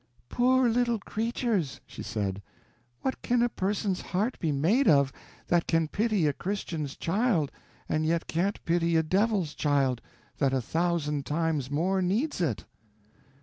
"Poor little creatures!" she said. "What can a person's heart be made of that can pity a Christian's child and yet can't pity a devil's child, that a thousand times more needs it!"